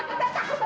nggak tau ibu